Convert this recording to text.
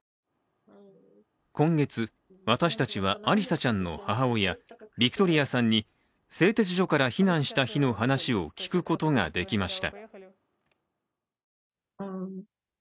今月、私たちはアリサちゃんの母親ビクトリアさんに製鉄所から避難した日の話を聞くことができました。